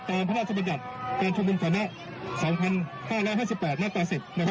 ตามพระราชบัญญัติการชมนุมฐานะสองพันห้าระห้าสิบแปดหน้าตาสิบนะครับ